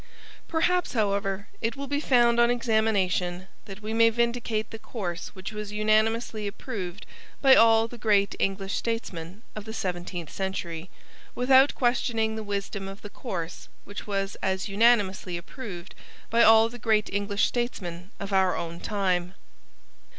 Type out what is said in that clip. Perhaps, however, it will be found on examination that we may vindicate the course which was unanimously approved by all the great English statesmen of the seventeenth century, without questioning the wisdom of the course which was as unanimously approved by all the great English statesmen of our own time.